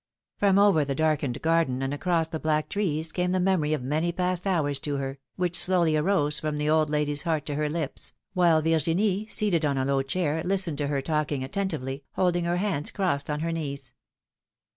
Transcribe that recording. From over the darkened garden and across the black trees came the memory of many past hours to her, which slowly arose from the old lady^s heart to her lips, while Virginie, seated on a low chair, listened to her talking attentively, holding her hands crossed on her knees.